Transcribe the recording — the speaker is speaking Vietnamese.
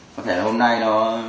có thể là hôm nay nó